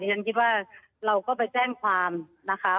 ฉันคิดว่าเราก็ไปแจ้งความนะคะ